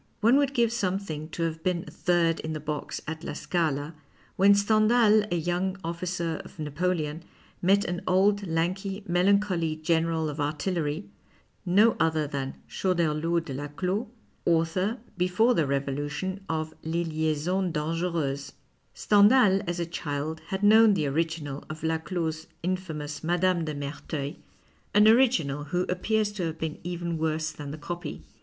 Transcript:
One would give some thing to have been a third in the box at La Scala when Stendhal, a young olUcer of Napoleon, met an old, lanky, melancholy general of artillery — no other than Choderlos de Laclos, author, before the Revo lution, of " Les Liaisons Dangercuses."' Stendiial, as a child, had known the original of Laclos's infamous Mme. dc Mcrtcuil, an original who appears to have been even worse than the copy.